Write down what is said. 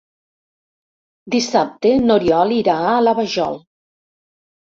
Dissabte n'Oriol irà a la Vajol.